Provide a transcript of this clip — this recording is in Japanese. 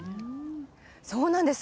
そうなんです。